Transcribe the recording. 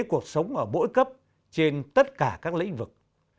cuộc sống ở mỗi cấp trên tất cả các lĩnh vực